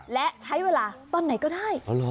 และใช้เวลาตอนไหนก็ได้